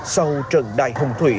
sau trận đài hồng thủy